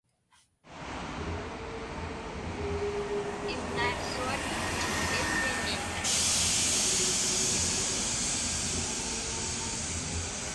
Imniaqsuat iġġiniñ.